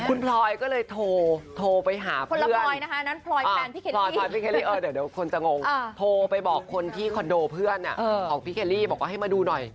คุณพลอยก็เลยโทรไปหาเพื่อนโทรไปบอกคนที่คอนโดเพื่อนของพี่เกลลี่ให้มาดูหน่อย